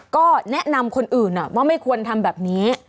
ก็แนะนำคนอื่นว่าไม่ควรทำแบบนี้